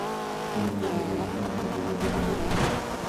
তিনি ভারতীয় পণ্যসম্ভারে পূর্ণ দোকান দেখেন।